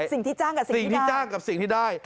อย่างถึงสิ่งที่จ้างกับสิ่งที่ได้